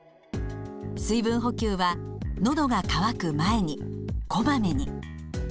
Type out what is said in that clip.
水分補給は「のどが渇く前に」「こまめに」。